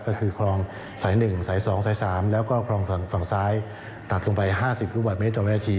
ก็คือคลองสาย๑สาย๒สาย๓แล้วก็คลองฝั่งซ้ายตัดลงไป๕๐ลูกบาทเมตรต่อวินาที